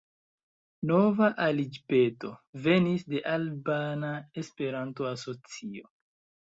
Nova aliĝpeto venis de Albana Esperanto-Asocio.